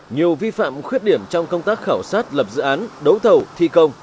nhiều vi phạm khuyết điểm trong công tác khảo sát lập dự án đấu thầu thi công